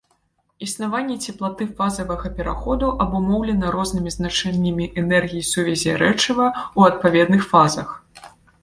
Існаванне цеплаты фазавага пераходу абумоўлена рознымі значэннямі энергій сувязі рэчыва ў адпаведных фазах.